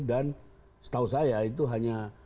dan setahu saya itu hanya